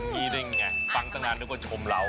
นี่ได้ไงฟังตั้งนานนึกว่าชมเรา